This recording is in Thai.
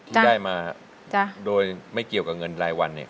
ที่ได้มาโดยไม่เกี่ยวกับเงินรายวันเนี่ย